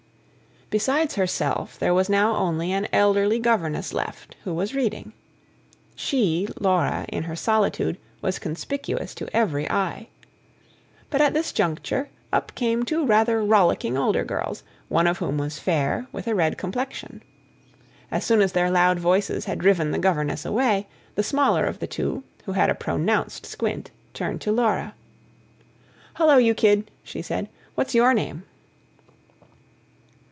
Besides herself, there was now only an elderly governess left, who was reading. She, Laura, in her solitude, was conspicuous to every eye. But at this juncture up came two rather rollicking older girls, one of whom was fair, with a red complexion. AS soon as their loud voices had driven the governess away, the smaller of the two, who had a pronounced squint, turned to Laura. "Hullo, you kid," she said, "what's YOUR name?"